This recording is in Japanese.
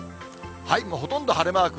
ほとんど晴れマーク。